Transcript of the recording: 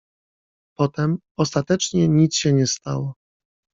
Potem: — Ostatecznie nic się nie stało.